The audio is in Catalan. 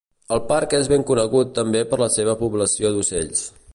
El parc és ben conegut també per la seva població d'ocells.